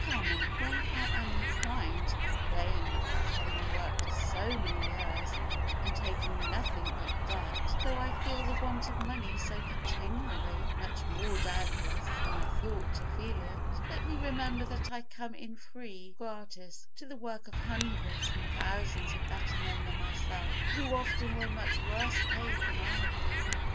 Karma When I am inclined to complain about having worked so many years and taken nothing but debt, though I feel the want of money so continually (much more, doubtless, than I ought to feel it), let me remember that I come in free, gratis, to the work of hundreds and thousands of better men than myself who often were much worse paid than I have been.